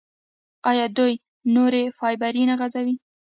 آیا دوی نوري فایبر نه غځوي؟